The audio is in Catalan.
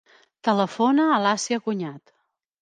Telefona a l'Assia Cuñat.